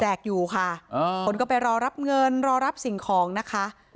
อยู่ค่ะคนก็ไปรอรับเงินรอรับสิ่งของนะคะ